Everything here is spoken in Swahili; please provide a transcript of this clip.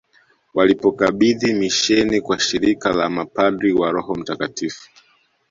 Walipokabidhi misheni kwa shirika la mapadri wa Roho mtakatifu